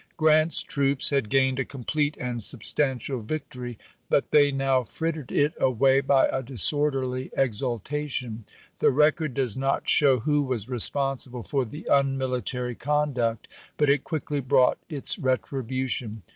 Grant's troops had gained a complete and substantial victory, but they now frittered it away by a disorderly exultation. The record does not show who was responsible for the unmilitary conduct, but it quickly brought its retribution.